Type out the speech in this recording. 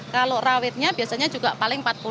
kalau rawitnya biasanya juga paling empat puluh